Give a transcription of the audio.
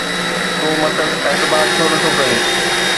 تون مٿس اعتبار ڇو نٿو ڪرين؟